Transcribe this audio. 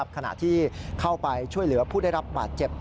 ขณะที่เข้าไปช่วยเหลือผู้ได้รับบาดเจ็บ